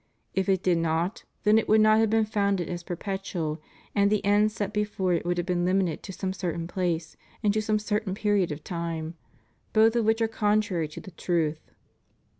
If it did not, then it would not have been founded as per petual and the end set before it would have been limited to some certain place and to some certain period of time; both of which are contrary to the truth.